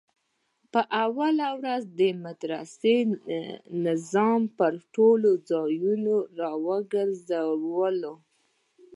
په اوله ورځ د مدرسې ناظم پر ټولو ځايونو وگرځولو.